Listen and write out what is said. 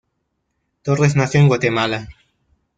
Torres nació en Guatemala.